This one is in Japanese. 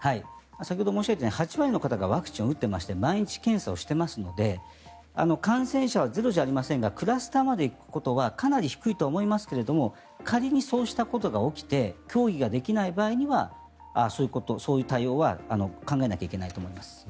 先ほど申し上げたように８割の方がワクチンを打っていて毎日検査をしていますので感染者はゼロじゃありませんがクラスターまで行くことはかなり低いと思いますが仮にそうしたことが起きて競技ができない場合にはそういう対応は考えなきゃいけないと思います。